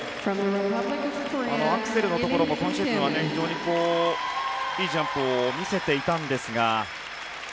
アクセルのところも今シーズンは非常にいいジャンプ見せていたんですが。